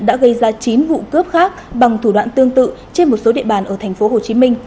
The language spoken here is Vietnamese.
đã gây ra chín vụ cướp khác bằng thủ đoạn tương tự trên một số địa bàn ở thành phố hồ chí minh